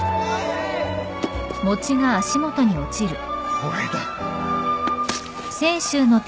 これだ！